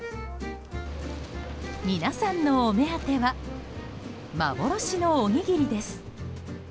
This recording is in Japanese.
皆さんのお目当ては幻のおにぎりです。